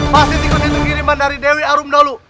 pasti tikus itu kiriman dari dewi arum dalu